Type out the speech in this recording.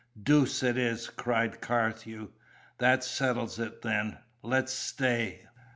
"Deuce it is!" cried Carthew. "That settles it, then. Let's stay.